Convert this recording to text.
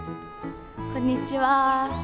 こんにちは。